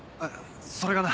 それがな。